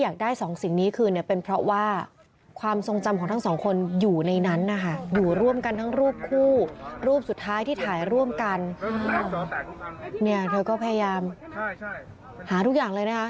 นี่เขาก็พยายามหาทุกอย่างเลยนะคะ